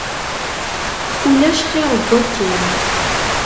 Ulac xir n wakken.